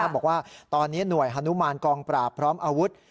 บอกว่าตอนนี้หน่วยฮานุมานกองปราบพร้อมอาวุธ